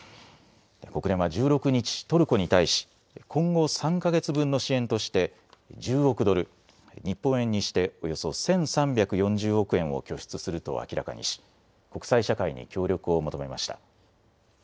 国連は１６日、トルコに対し今後３か月分の支援として１０億ドル日本円にしておよそ１３４０億円を拠出すると明らかにし国際社会に協力を求めました。